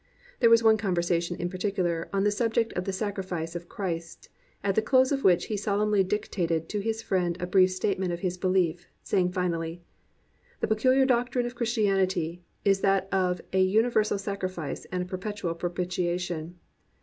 There was one conversation in particular, on the subject of the sacrifice of Christ, at the close of which he solemnly dictated to his friend a brief statement of his belief, saying finally, "The pecuhar doctrine of Christianity is that of an universal sacrifice and a perpetual propitiation.